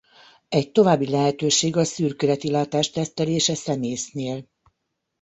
Egy további lehetőség a szürkületi látás tesztelése szemésznél.